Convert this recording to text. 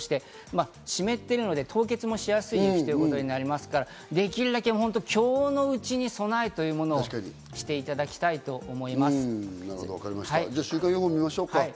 湿っているので凍結もしやすい雪となりますから、できるだけ今日のうちに備えというものをしていただきたいと思い週間予報を見ましょう。